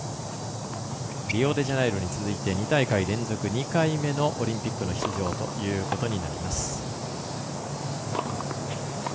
リオデジャネイロに続いて２大会連続２回目のオリンピックの出場ということになります。